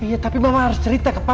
iya tapi mama harus cerita ke papa